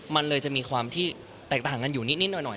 มันเลยจะมีความที่แตกต่างกันอยู่นิดหน่อย